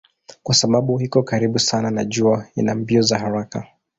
Kwa sababu iko karibu sana na jua ina mbio za haraka.